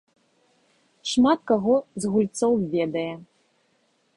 Шмат каго з гульцоў ведае.